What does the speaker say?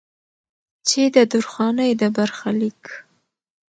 چې د درخانۍ د برخليک